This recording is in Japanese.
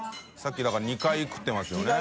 気辰だから２回食ってますよね。